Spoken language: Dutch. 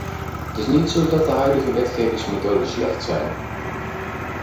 Het is niet zo dat de huidige wetgevingsmethoden slecht zijn.